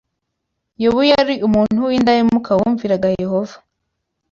Yobu yari umuntu w’indahemuka wumviraga Yehova.